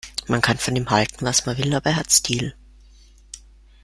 Man kann von ihm halten, was man will, aber er hat Stil.